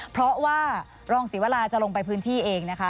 เพราะว่ารองศิวราจะลงไปพื้นที่เองนะคะ